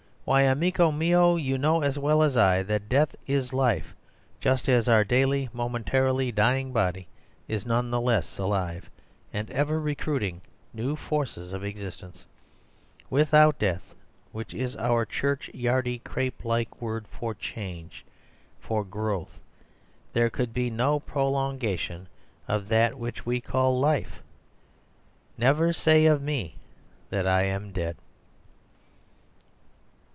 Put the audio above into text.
Why, amico mio, you know as well as I, that death is life, just as our daily momentarily dying body is none the less alive, and ever recruiting new forces of existence. Without death, which is our church yardy crape like word for change, for growth, there could be no prolongation of that which we call life. Never say of me that I am dead."